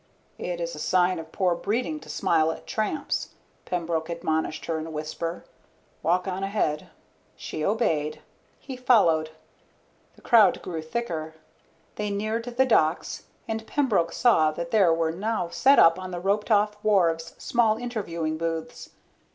"It is a sign of poor breeding to smile at tramps," Pembroke admonished her in a whisper. "Walk on ahead." She obeyed. He followed. The crowd grew thicker. They neared the docks and Pembroke saw that there were now set up on the roped off wharves small interviewing booths.